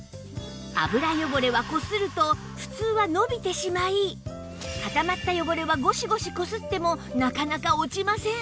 油汚れはこすると普通は伸びてしまい固まった汚れはゴシゴシこすってもなかなか落ちません